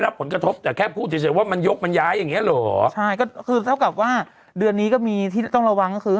หรือก็คือเหลือนี้ก็มีที่ต้องระวังก็คือ